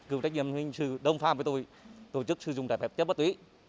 các nhiệm hình sự đồng phạm với tôi tổ chức sử dụng tài phạm chất ma túy